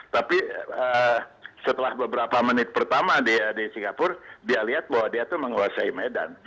tapi setelah beberapa menit pertama dia di singapura dia lihat bahwa dia tuh menguasai medan